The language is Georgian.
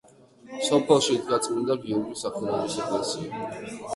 სოფელში იდგა წმინდა გიორგის სახელობის ეკლესია.